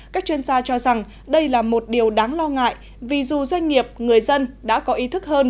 các chuyên gia cho rằng đây là một điều đáng lo ngại vì dù doanh nghiệp người dân đã có ý thức hơn